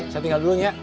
saya tinggal dulunya ya